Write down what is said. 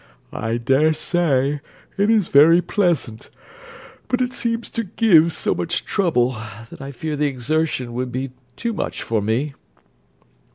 I dare say it is very pleasant; but it seems to give so much trouble that I fear the exertion would be too much for me.